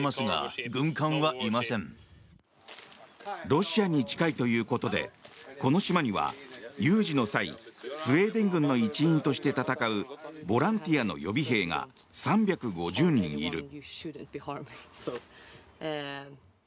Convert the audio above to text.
ロシアに近いということでこの島には有事の際スウェーデン軍の一員として戦うボランティアの予備兵が３５０人いる。